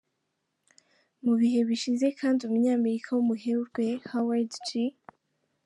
Mu bihe bishize kandi umunyamerika w’umuherwe Howard G.